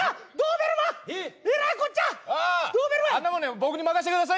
僕に任してくださいよ！